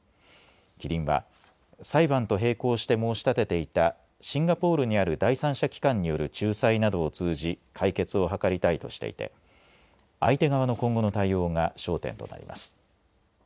キリンは裁判と並行して申し立てていたシンガポールにある第三者機関による仲裁などを通じ解決を図りたいとしていて相手側の今後の対応が焦点となります。